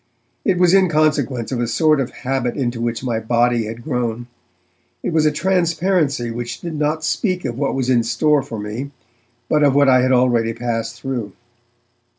it was in consequence of a sort of habit into which my body had grown; it was a transparency which did not speak of what was in store for me, but of what I had already passed through.